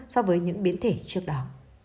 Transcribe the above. so với những biến thể trước đó